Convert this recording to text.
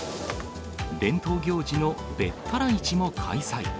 伝統行事のべったら市も開催。